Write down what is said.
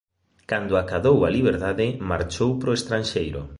Cando acadou a liberdade marchou para o estranxeiro.